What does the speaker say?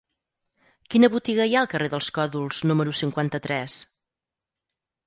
Quina botiga hi ha al carrer dels Còdols número cinquanta-tres?